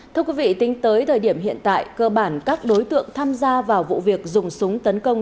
thưa quý vị tính tới thời điểm hiện tại cơ bản các đối tượng tham gia vào vụ việc dùng súng tấn công